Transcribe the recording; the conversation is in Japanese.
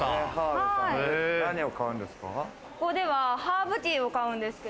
何を買うんですか？